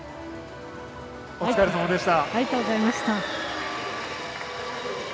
お疲れさまでした。